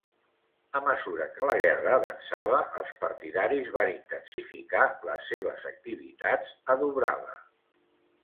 A mesura que la guerra avançava, els partidaris van intensificar les seves activitats a Dubrava.